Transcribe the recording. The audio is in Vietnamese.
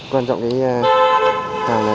quan trọng cái hàng này